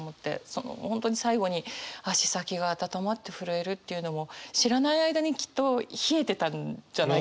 その本当に最後に「足先があたたまって、震える」っていうのも知らない間にきっと冷えてたんじゃないかと思うんです。